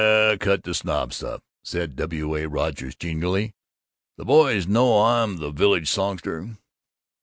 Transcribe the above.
Cut the sob stuff," said W. A. Rogers genially. "You boys know I'm the village songster?